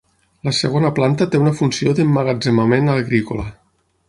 La segona planta té una funció d'emmagatzemament agrícola.